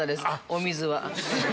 お水は。